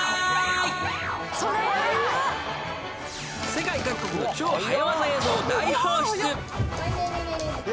世界各国の超早ワザ映像大放出。